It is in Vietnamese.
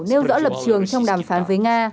nêu rõ lập trường trong đàm phán với nga